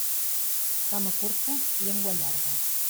Cama curta, llengua llarga.